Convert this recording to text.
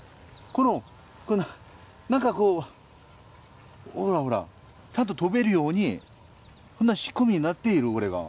このなんかこうほらほらちゃんと飛べるようにそんな仕組みになっているこれが。